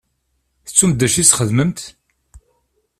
Tettumt d acu i s-txedmemt?